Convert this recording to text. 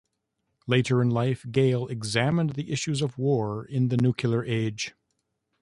Later in life, Gale examined the issues of war in the nuclear age.